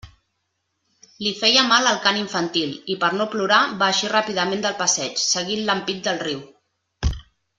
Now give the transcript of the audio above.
Li feia mal el cant infantil, i per no plorar va eixir ràpidament del passeig, seguint l'ampit del riu.